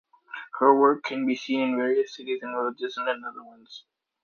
Her work can be seen in various cities and villages in the Netherlands.